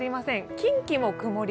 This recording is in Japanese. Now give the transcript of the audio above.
近畿も曇り。